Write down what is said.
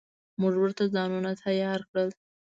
موږ ورته ځانونه تيار کړل.